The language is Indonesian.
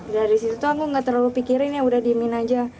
dari situ aku gak terlalu pikirin ya udah diemin aja